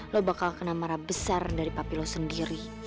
lo bakal kena marah besar dari papi lo sendiri